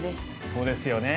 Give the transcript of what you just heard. そうですよね。